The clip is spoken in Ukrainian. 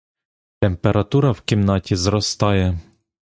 Температура в кімнаті зростає